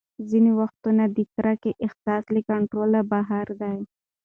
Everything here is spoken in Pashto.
ځینې وختونه د کرکې احساس له کنټروله بهر دی.